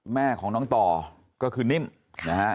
แม่ของน้องต่อก็คือนิ่มนะฮะ